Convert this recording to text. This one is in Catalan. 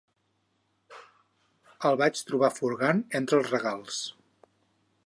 El vaig trobar furgant entre els regals.